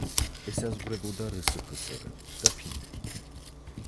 ესაზღვრებოდა რსფსრ და ფინეთი.